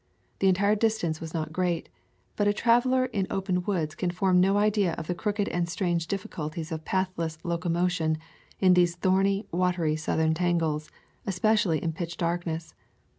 The entire distance was not great, but a traveler in open woods can form no idea of the crooked and strange difficulties of pathless locomotion in these thorny, watery Southern tangles, especially in pitch darkness.